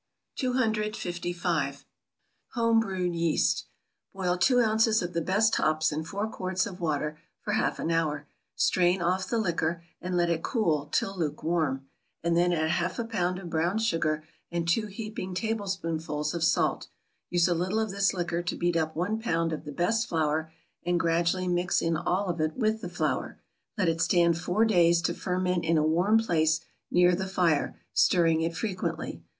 255. =Homebrewed Yeast.= Boil two ounces of the best hops in four quarts of water for half an hour, strain off the liquor and let it cool till luke warm, and then add half a pound of brown sugar and two heaping tablespoonfuls of salt; use a little of this liquor to beat up one pound of the best flour, and gradually mix in all of it with the flour; let it stand four days to ferment in a warm place near the fire, stirring it frequently.